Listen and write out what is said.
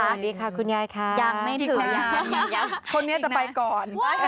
สวัสดีค่ะคุณยายค่ะยังไม่ถืออย่างนี้หรอคนนี้จะไปก่อน